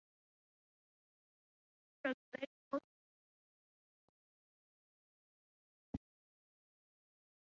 It regulates all banking and money handling operations in Afghanistan.